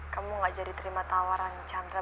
kamu gak jadi terima tawaran chandra